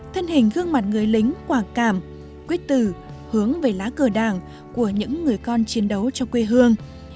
thân hình gương mặt người lính quả cảm quyết tử hướng về lá cờ đảng của những người con chiến đấu cho quê hương